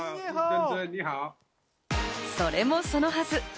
それもそのはず。